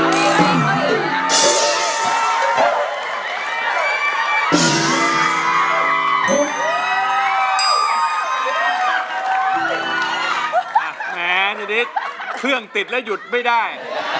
แม้เดี๋ยวนี้เครื่องติดแล้วยดไม่ได้